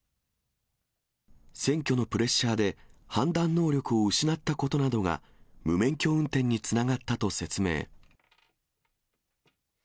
選挙のプレッシャーで判断能力を失ったことなどが、無免許運転につながったと説明。